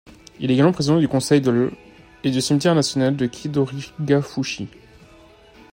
Il est également président du conseil de l' et du cimetière national de Chidorigafuchi.